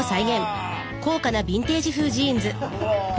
うわ。